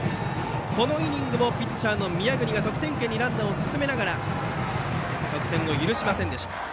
このイニングもピッチャーの宮國が得点圏にランナーを進めながら得点を許しませんでした。